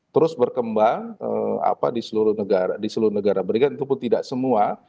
terus berkembang di seluruh negara berikutnya itu pun tidak semua